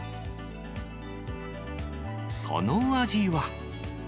その味は。